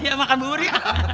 iya makan bubur ya